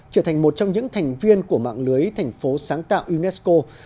trở thành một trong những thành viên của mạng lưới thành phố sáng tạo unesco